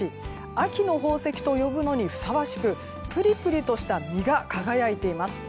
秋の宝石と呼ぶのにふさわしくプリプリとした実が輝いています。